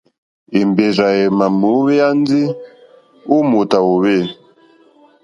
Èmbèrzà èmà ŋwěyá ndí ó mòtà hwòhwê.